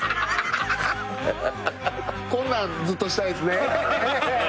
こんなんずっとしたいっすね。